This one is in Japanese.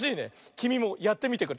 きみもやってみてくれ。